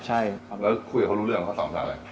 แล้วคุยกับเค้ารู้เรื่องเค้าสอนประสานอะไร